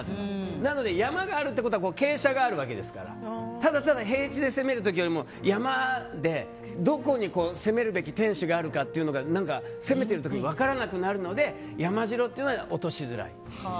なので、山があるということは傾斜がありますからただ平地を攻めるよりもどこに攻めるべき天守があるか攻めている時に分からなくなるので山城というのは落としづらい。